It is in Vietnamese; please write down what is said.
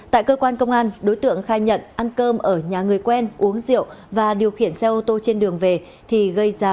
tại cơ quan công an đối tượng khai nhận ăn cơm ở nhà người quen uống rượu và điều khiển xe ô tô trên đường về thì gây ra